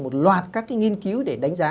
một loạt các nghiên cứu để đánh giá